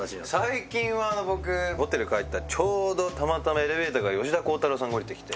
最近は僕ホテル帰ったらちょうどたまたまエレベーターから吉田鋼太郎さんが降りてきて。